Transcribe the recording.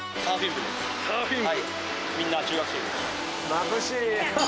まぶしい。